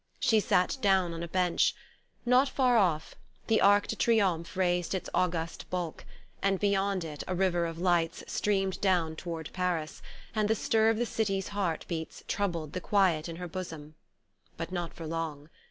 She sat down on a bench. Not far off, the Arc de Triomphe raised its august bulk, and beyond it a river of lights streamed down toward Paris, and the stir of the city's heart beats troubled the quiet in her bosom. But not for long.